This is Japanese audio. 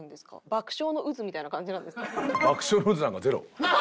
爆笑の渦なんかゼロ。